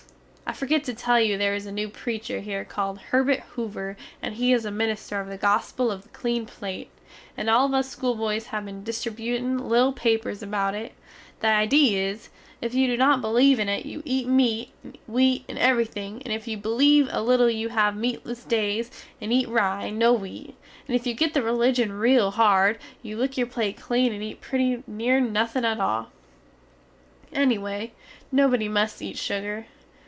I fergot to tell you their is a new preecher hear called Herbit Hoover and he is a minister of the gospel of the Clean Plate, and all us school boys have been distributin little papers about it, the idee is, if you do not beleeve in it you eat meat and wheat and everythin, and if you beleeve a little you have meatless days and eat rye and no wheat, and if you get the religion rele hard you lick your plate clean and eat pretty near nothing at all. Ennyway nobody must eat sugar.